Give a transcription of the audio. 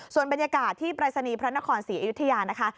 ส่วนบรรยากาศที่ปรายศนีย์พระนครศรีอยุธยานะคะ